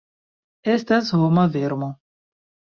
Estas homa vermo!